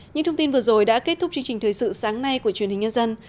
những thông tin vừa rồi đã kết thúc chương trình thời sự sáng nay của truyền hình nhân dân